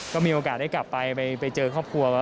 ก็มีโอกาสได้กลับไปเจอครอบครัว